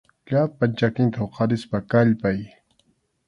Llapan chakinta huqarispa kallpay.